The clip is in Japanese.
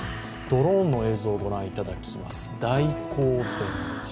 ドローンの映像をご覧いただきます、大興善寺。